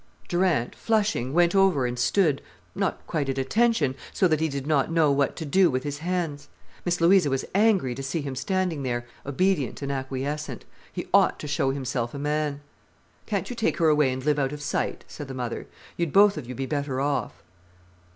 Durant, flushing, went over and stood—not quite at attention, so that he did not know what to do with his hands. Miss Louisa was angry to see him standing there, obedient and acquiescent. He ought to show himself a man. "Can't you take her away and live out of sight?" said the mother. "You'd both of you be better off."